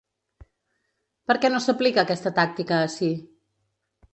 Per què no s’aplica aquesta tàctica ací?